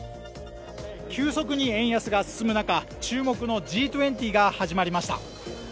急速に円安が進む中、注目のＧ２０が始まりました。